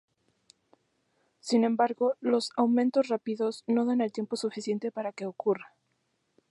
Sin embargo, los aumentos rápidos no dan el tiempo suficiente para que ocurra.